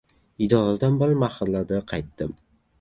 Idoradan bir mahalda qaytdim.